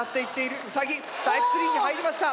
ウサギタイプ３に入りました。